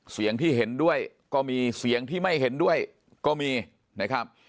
เสียงที่เห็นด้วยก็มีเสียงที่ไม่เห็นด้วยก็มีนะครับ